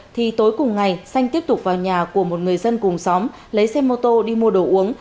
thì tối cùng ngày xanh tiếp tục vào nhà của một người dân cùng xóm lấy xe mô tô đi mua đồ uống